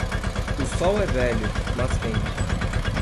O sol é velho, mas quente.